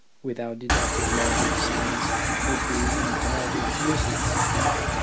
Without deductive logic science would be entirely useless.